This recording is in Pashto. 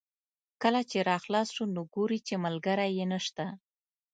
کله چې را خلاص شو نو ګوري چې ملګری یې نشته.